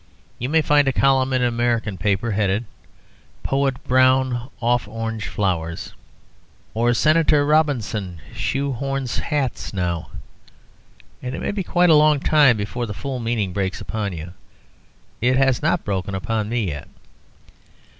You may find a column in an American paper headed "Poet Brown Off Orange flowers," or "Senator Robinson Shoehorns Hats Now," and it may be quite a long time before the full meaning breaks upon you: it has not broken upon me yet.